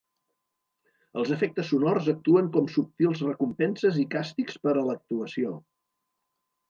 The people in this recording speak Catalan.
Els efectes sonors actuen com subtils recompenses i càstigs per a l'actuació.